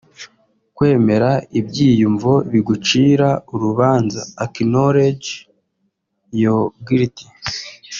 Kwemera ibyiyumvo bigucira urubanza [acknowledge your guilt]